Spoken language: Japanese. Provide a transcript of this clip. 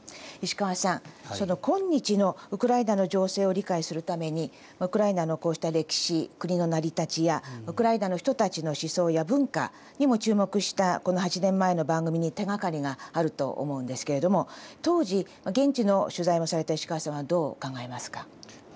石川さんその今日のウクライナの情勢を理解するためにウクライナのこうした歴史国の成り立ちやウクライナの人たちの思想や文化にも注目したこの８年前の番組に手がかりがあると思うんですけれども当時現地の取材もされた石川さんはどう考えますか？